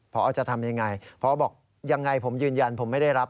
เพราะเอาบอกยังไงผมยืนยันผมไม่ได้รับ